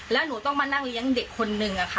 แล้วหนูต้องมานั่งเรียงเด็กคนหนึ่ง